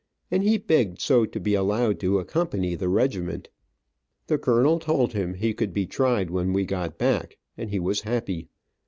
and he begged so to be allowed to accompany the regiment. The colonel told him he could be tried when we got back, and he was happy.